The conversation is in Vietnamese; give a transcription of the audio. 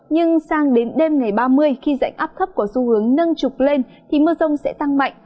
nhưng sang đến đêm ngày ba mươi khi dạnh áp thấp có xu hướng nâng trục lên thì mưa rông sẽ tăng mạnh